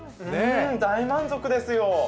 大満足ですよ。